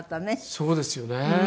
そうですよね。